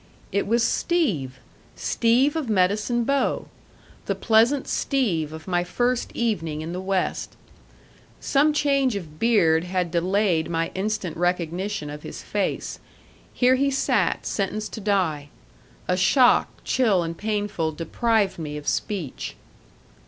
It was Steve! Steve of Medicine Bow! The pleasant Steve of my first evening in the West. Some change of beard had delayed my instant recognition of his face. Here he sat sentenced to die. A shock, chill and painful, deprived me of speech.